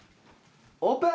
オープン！